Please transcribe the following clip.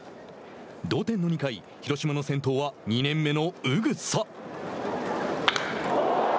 同点の２回広島の先頭は２年目の宇草。